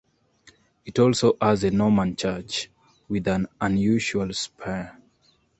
It also has a Norman Church with an unusual spire.